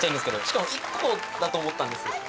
しかも１個だと思ったんです。